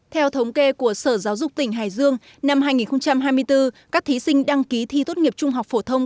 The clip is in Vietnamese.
theo thống kê của sở giáo dục tỉnh hải dương năm hai nghìn hai mươi bốn các thí sinh đăng ký thi tốt nghiệp trung học phổ thông